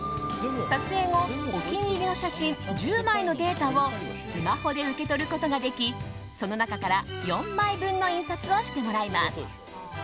撮影後、お気に入りの写真１０枚のデータをスマホで受け取ることができその中から４枚分の印刷をしてもらえます。